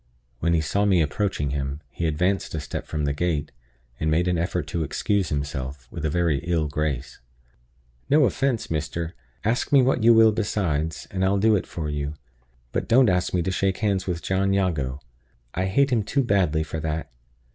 When he saw me approaching him, he advanced a step from the gate, and made an effort to excuse himself, with a very ill grace. "No offense, mister. Ask me what you will besides, and I'll do it for you. But don't ask me to shake hands with John Jago; I hate him too badly for that.